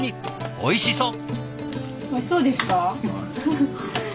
おいしそう。